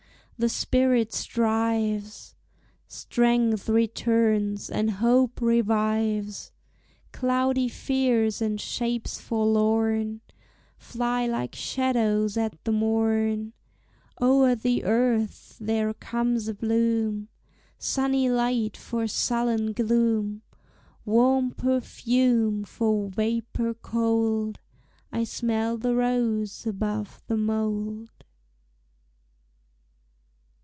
the spirit strives! Strength returns and hope revives; Cloudy fears and shapes forlorn Fly like shadows at the morn, O'er the earth there comes a bloom; Sunny light for sullen gloom, Warm perfume for vapor cold, smell the rose above the mold!